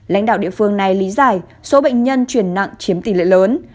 lãnh đạo địa phương này lý giải số bệnh nhân chuyển nặng chiếm tỷ lệ lớn